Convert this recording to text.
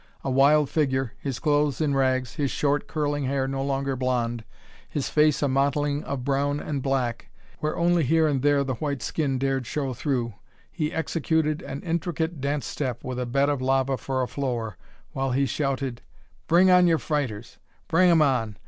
A wild figure, his clothes in rags, his short, curling hair no longer blond, his face a mottling of brown and black, where only here and there the white skin dared show through he executed an intricate dance step with a bed of lava for a floor, while he shouted: "Bring on your fighters! Bring 'em on!